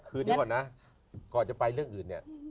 คืนนี้ก่อนนะก่อนจะไปเรื่องอื่นเนี่ย